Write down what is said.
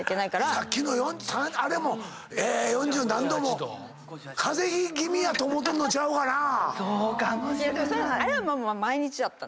さっきのあれも四十何℃も風邪気味やと思うてんのちゃうかなぁ⁉そうかもしれない！